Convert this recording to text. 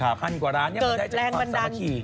พันกว่าร้านเนี้ยมันได้จากความสามัคคี